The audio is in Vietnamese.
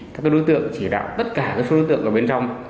các đối tượng chỉ đạo tất cả số đối tượng ở bên trong